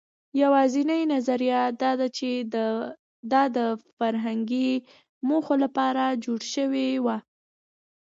یواځینۍ نظریه دا ده، چې دا د فرهنګي موخو لپاره جوړ شوي وو.